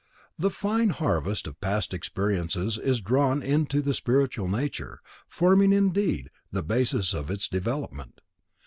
The fine harvest of past experiences is drawn into the spiritual nature, forming, indeed, the basis of its development.